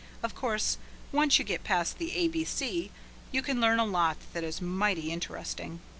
Of course, once you get past the A B C you can learn a lot that is mighty interesting.